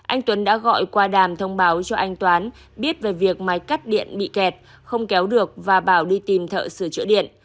anh tuấn đã gọi qua đàm thông báo cho anh toán biết về việc máy cắt điện bị kẹt không kéo được và bảo đi tìm thợ sửa chữa điện